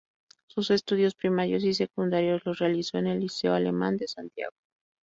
Sus estudios primarios y secundarios los realizó en el Liceo Alemán de Santiago.